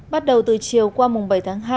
bắt đầu từ chiều qua mùng bảy tháng hai